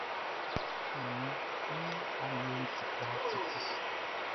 Manmi i aliɛʼn ti kpa titi.